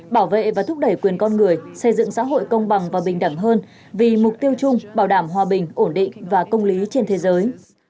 bảo vệ và thúc đẩy quyền con người xây dựng xã hội công bằng và bình đẳng hơn vì mục tiêu chung bảo đảm hòa bình ổn định và công lý trên thế giới